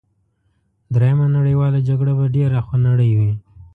دریمه نړیواله جګړه به ډېره خونړۍ وي